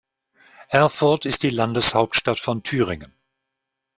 Erfurt ist die Landeshauptstadt von Thüringen.